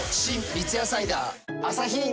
三ツ矢サイダー』